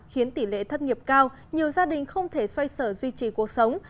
khiến tỷ lệ thất nghiệp cao nhiều gia đình không thể xoay sở duy trì cuộc sống